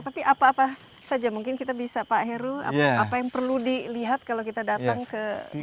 tapi apa apa saja mungkin kita bisa pak heru apa yang perlu dilihat kalau kita datang ke